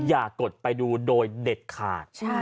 กดไปดูโดยเด็ดขาด